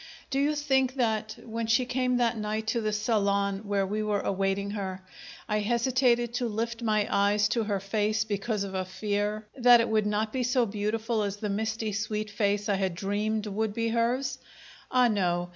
Do you think that, when she came that night to the salon where we were awaiting her, I hesitated to lift my eyes to her face because of a fear that it would not be so beautiful as the misty sweet face I had dreamed would be hers? Ah, no!